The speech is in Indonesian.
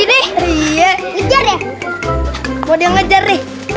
lihat belakang bos